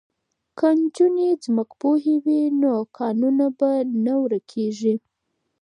که نجونې ځمکپوهې وي نو کانونه به نه ورکیږي.